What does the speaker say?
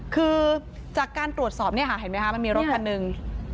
คือจากการตรวจสอบเนี่ยค่ะเห็นไหมคะมันมีรถคันหนึ่ง